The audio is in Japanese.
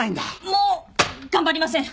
もう頑張りません！